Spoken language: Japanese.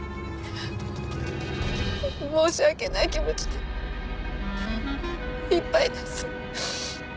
申し訳ない気持ちでいっぱいです。